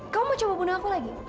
kamu mau coba bunuh aku lagi